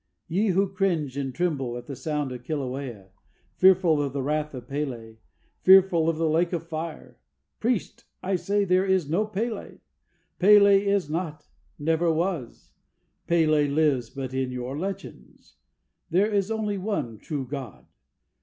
ye who cringe and tremble, at the sound of Kilauea, Fearful of the wrath of P├®l├®, fearful of the lake of fire! Priest, I say there is no P├®l├®! P├®l├® is not never was! P├®l├® lives but in your legends there is only one true God!"